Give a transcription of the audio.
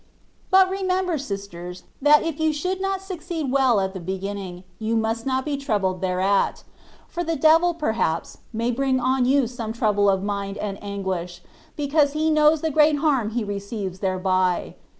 But remember, sisters, that if you should not succeed well at the beginning, you must not be troubled thereat: for the devil, perhaps, may bring on you some trouble of mind and anguish, because he knows the great harm he receives thereby.